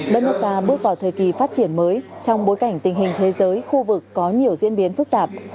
đất nước ta bước vào thời kỳ phát triển mới trong bối cảnh tình hình thế giới khu vực có nhiều diễn biến phức tạp